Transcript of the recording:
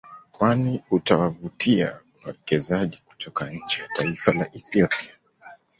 Kwani utawavutia wawekezaji kutoka nje ya taifa la Ethiopia